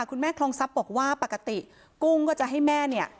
คุณแม่คลองทรัพย์บอกว่าปกติกุ้งก็จะให้แม่เนี่ย